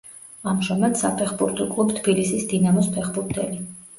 ამჟამად საფეხბურთო კლუბ თბილისის „დინამოს“ ფეხბურთელი.